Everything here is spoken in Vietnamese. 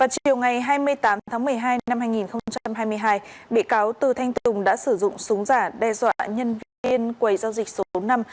chiều ngày hai mươi tám tháng một mươi hai năm hai nghìn hai mươi hai bị cáo từ thanh tùng đã sử dụng súng giả đe dọa nhân viên quầy giao dịch số năm